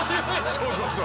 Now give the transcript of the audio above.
そうそうそう。